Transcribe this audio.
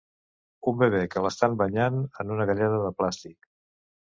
Un bebè que l'estant banyant en una galleda de plàstic.